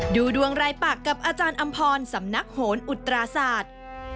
ดูดวงรายปากกับอาจารย์อำพรสำนักโหนอุตราศาสตร์